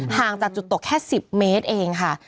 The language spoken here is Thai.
ห่างจากจุดตกแค่๑๐เมตรเองค่ะ